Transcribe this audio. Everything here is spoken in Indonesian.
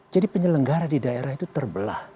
jadi penyelenggara di daerah itu terbelah